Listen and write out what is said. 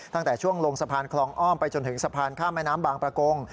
ตั้งแต่ช่วงลงสะพานคลองอ้อมไปจนถึงสะพานข้ามแม่น้ำบางประกง